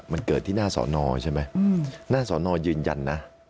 มันเกิดที่หน้าสอนอใช่ไหมหน้าสอนอยืนยันนะ